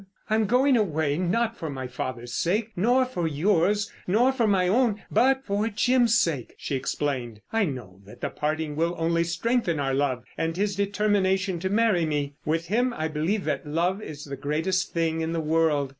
"I'm going away, not for my father's sake, nor for yours, nor my own, but for Jim's sake," she explained. "I know that the parting will only strengthen our love, and his determination to marry me. With him I believe that love is the greatest thing in the world."